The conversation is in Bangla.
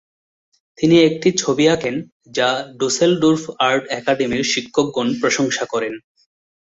তিনি একটি ছবি আঁকেন যা ডুসেলডোর্ফ আর্ট একাডেমির শিক্ষকগণ প্রশংসা করেন।